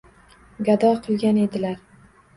Gado qilgan edilar.